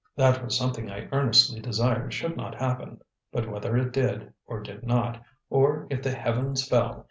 That was something I earnestly desired should not happen; but whether it did, or did not or if the heavens fell!